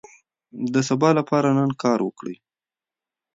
د سبا لپاره نن کار وکړئ.